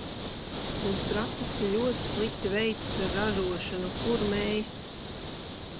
Mums praktiski ļoti slikti veicas ar ražošanu, kur mēs.